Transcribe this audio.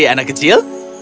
hei anak kecil